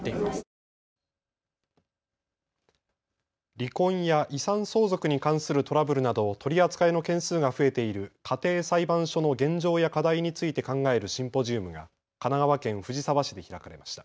離婚や遺産相続に関するトラブルなど取り扱いの件数が増えている家庭裁判所の現状や課題について考えるシンポジウムが神奈川県藤沢市で開かれました。